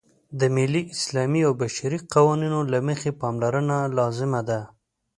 د ملي، اسلامي او بشري قوانینو له مخې پاملرنه لازمه ده.